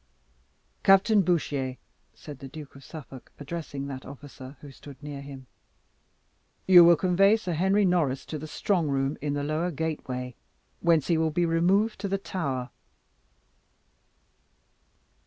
"Captain Bouchier," said the Duke of Suffolk, addressing that officer, who stood near him, "you will convey Sir Henry Norris to the strong room in the lower gateway, whence he will be removed to the Tower."